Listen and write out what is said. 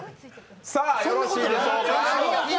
さあ、よろしいでしょうか。